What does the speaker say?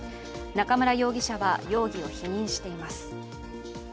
中村容疑者は容疑を否認しています。